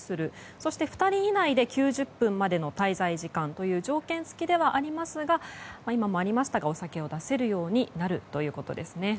そして、２人以内で９０分以内の滞在時間と条件付きではありますがお酒を出せるようになるということですね。